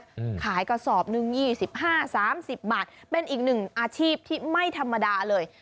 ขายกระสอบหนึ่งยี่สิบห้าสามสิบบาทเป็นอีกหนึ่งอาชีพที่ไม่ธรรมดาเลย